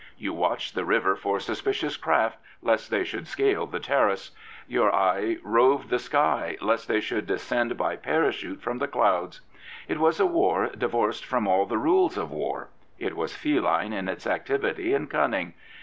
You watched the river for suspicious craft, lest they should scale the Terrace; your eye roved the sky, lest they should descend by parachute from the clouds. It was a war divorced from all the rules of war. It was feline in its activity and cunning.